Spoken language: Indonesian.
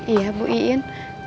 iya bu iin